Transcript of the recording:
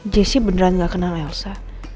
jessy beneran gak kenal elsa